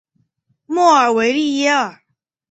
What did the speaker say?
莫尔维利耶尔。